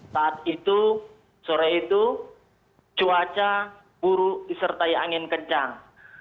saat itu sore itu cuaca buruk disertai angin kencang